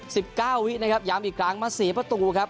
๑๙วินาทีนะครับย้ำอีกครั้งมาเสียประตูครับ